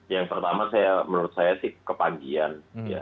yang pertama saya menurut saya sih kepagian